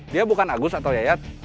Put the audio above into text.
dia bukan agus atau yayat